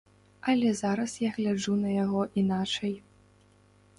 Але зараз я гляджу на яго іначай.